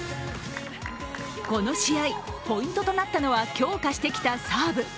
この試合、ポイントとなったのは強化してきたサーブ。